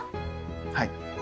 はい。